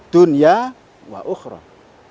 dunya wa ukhrah